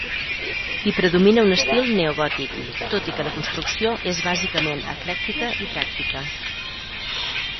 Hi predomina un estil neogòtic, tot i que la construcció és bàsicament eclèctica i pràctica.